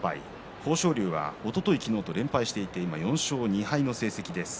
豊昇龍は、おととい、昨日と連敗していて４勝２敗の成績です。